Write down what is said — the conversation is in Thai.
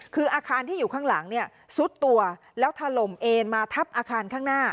คืออาคารที่อยู่ข้างหลังเนี่ยซุดตัวแล้วถล่มเอ็นมาทับอาคารข้างหน้า